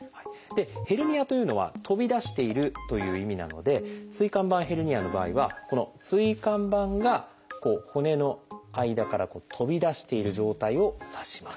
「ヘルニア」というのは「飛び出している」という意味なので椎間板ヘルニアの場合はこの椎間板が骨の間から飛び出している状態を指します。